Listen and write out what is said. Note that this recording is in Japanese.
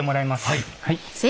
はい。